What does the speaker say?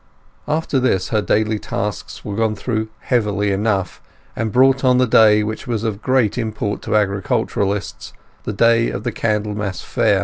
After this her daily tasks were gone through heavily enough, and brought on the day which was of great import to agriculturists—the day of the Candlemas Fair.